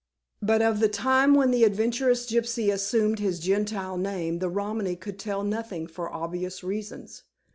But of the time when the adventurous gypsy assumed his Gentile name, the Romany could tell nothing, for obvious reasons.